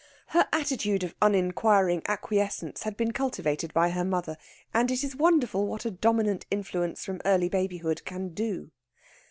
Her attitude of uninquiring acquiescence had been cultivated by her mother, and it is wonderful what a dominant influence from early babyhood can do.